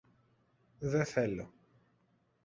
Δε θέλω